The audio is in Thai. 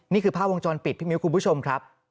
นี่คือภาพวงจรปิดพี่มิ้วคุณผู้ชมครับ